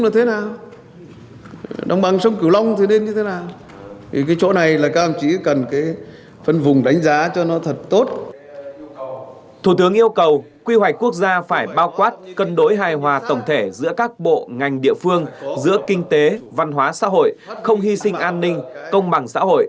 công bằng xã hội không hy sinh an ninh không hy sinh an ninh không hy sinh an ninh